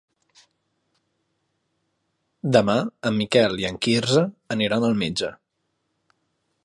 Demà en Miquel i en Quirze aniran al metge.